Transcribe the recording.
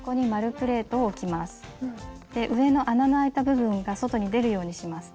上の穴のあいた部分が外に出るようにします。